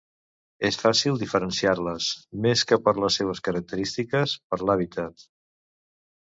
És fàcil diferenciar-les, més que per les seues característiques, per l'hàbitat.